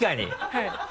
はい。